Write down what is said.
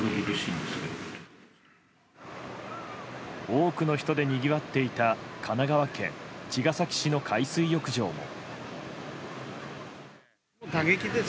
多くの人でにぎわっていた神奈川県茅ヶ崎市の海水浴場も。